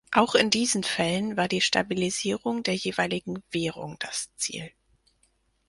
Auch in diesen Fällen war die Stabilisierung der jeweiligen Währung das Ziel.